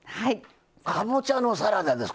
かぼちゃのサラダですか。